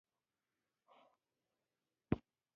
د هغه تره وويل چې زه يې نه درکوم.